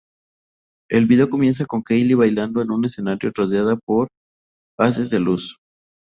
El video comienza con Kylie bailando en un escenario rodeada por haces de luz.